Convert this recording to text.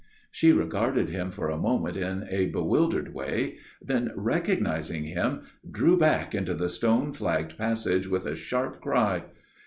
She regarded him for a moment in a bewildered way, then, recognizing him, drew back into the stone flagged passage with a sharp cry.